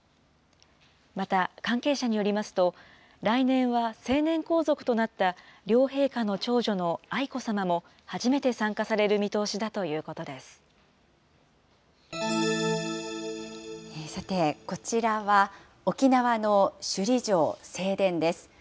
また、関係者によりますと、来年は成年皇族となった両陛下の長女の愛子さまも初めて参加されさて、こちらは、沖縄の首里城正殿です。